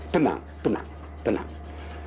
tenang tenang tenang